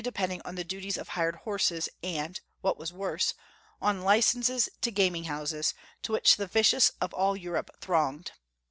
dei)ending on the duties on hired horses, and, what was worse, on licences to gaining houses, to which the vicious of all Europe tlu'onged.